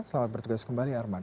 selamat bertugas kembali arman